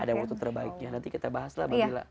ada waktu terbaiknya nanti kita bahas lah